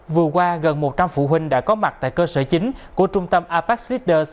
vừa qua gần một trăm linh phụ huynh đã có mặt tại cơ sở chính của trung tâm abax leaders